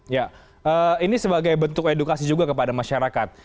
ya ini sebagai bentuk edukasi juga kepada masyarakat